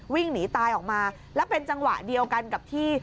วิ่งหนีตายออกมาแล้วเป็นจังหวะเดียวกันกับที่